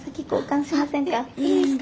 いいですね。